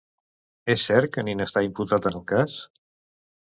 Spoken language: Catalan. És cert que Nin està imputat en el cas?